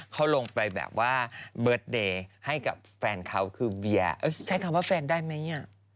เขาลงไปแบบว่าเบิร์ตเดย์ให้กับแฟนเขาคือเบียร์ใช้คำว่าแฟนได้ไหมอ่ะ